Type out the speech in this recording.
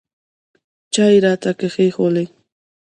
چای یې راته کښېښوولې.